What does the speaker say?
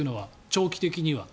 長期的には。